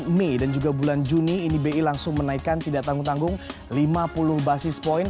mei dan juga bulan juni ini bi langsung menaikkan tidak tanggung tanggung lima puluh basis point